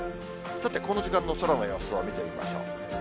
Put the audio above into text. さて、この時間の空の様子を見てみましょう。